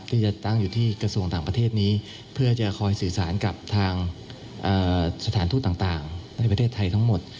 ที่จะตั้งอยู่ที่กระทรวงต่างประเทศนี้เพื่อจะคอยสื่อสารกับทางสถานทูตต่างในประเทศไทยทั้งหมด